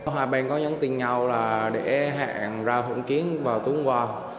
hai bên có những tình nhau là để hẹn ra hỗn kiến vào tuần qua